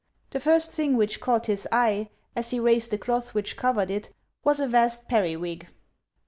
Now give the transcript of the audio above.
The first thing which caught his eye as he raised the cloth which covered it was a vast periwig.